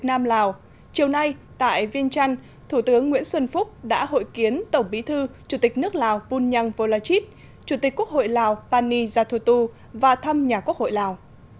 chiều nay tại viên trăn thủ tướng nguyễn xuân phúc đã hội kiến tổng bí thư chủ tịch nước lào bunyang volachit chủ tịch quốc hội lào pani yathutu và thăm nhà quốc hội lào